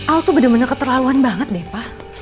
al tuh bener bener keterlaluan banget deh pak